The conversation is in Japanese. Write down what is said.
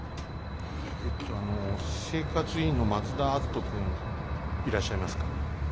えっとあの生活委員の松田篤人君いらっしゃいますか？